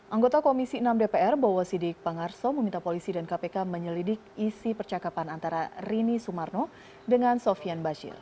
anggota komisi enam dpr bowo sidik pangarso meminta polisi dan kpk menyelidik isi percakapan antara rini sumarno dengan sofian bashir